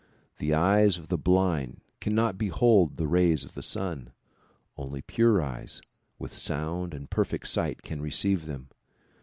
The eyes of the blind cannot behold the rays of the sun ; only pure eyes with sound and perfect sight can receive them.